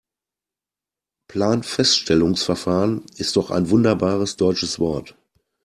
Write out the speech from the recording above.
Planfeststellungsverfahren ist doch ein wunderbares deutsches Wort.